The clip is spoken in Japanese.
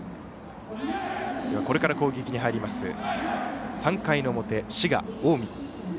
これから攻撃に入ります３回の表、滋賀・近江